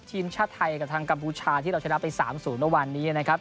ทีมชาติไทยกับทางกัมพูชาที่เราชนะไป๓๐เมื่อวานนี้นะครับ